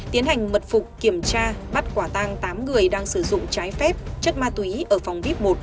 tiến hành mật phục kiểm tra bắt quả tang tám người đang sử dụng trái phép chất ma túy ở phòng vip một